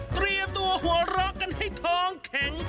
เตรียมตัวหัวเราะกันให้ท้องแข็ง